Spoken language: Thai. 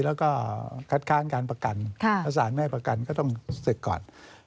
แล้วก็คัดค้านการประกันถ้าสารไม่ให้ประกันก็ต้องศึกก่อน